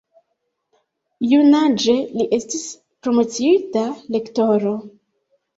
Junaĝe li estis promociita Lektoro.